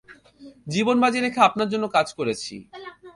জীবন বাজি রেখে আপনার জন্য কাজ করেছি।